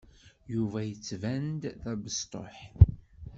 Yuba yettban-d d abesṭuḥ.